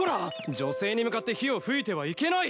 女性に向かって火を吹いてはいけない。